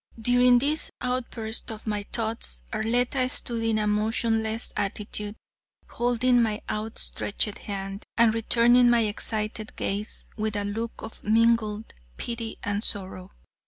During this outburst of my thoughts, Arletta stood in a motionless attitude, holding my outstretched hand and returning my excited gaze with a look of mingled pity and sorrow.